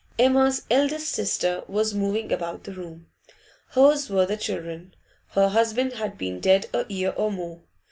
Emma's eldest sister was moving about the room. Hers were the children; her husband had been dead a year or more.